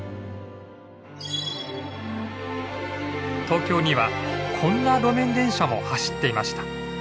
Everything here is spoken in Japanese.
東京にはこんな路面電車も走っていました。